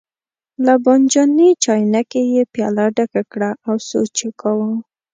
له بانجاني چاینکې یې پیاله ډکه کړه او سوچ یې کاوه.